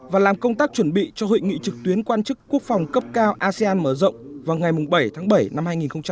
và làm công tác chuẩn bị cho hội nghị trực tuyến quan chức quốc phòng cấp cao asean mở rộng vào ngày bảy tháng bảy năm hai nghìn hai mươi